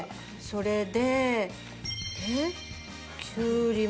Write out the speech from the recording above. それで。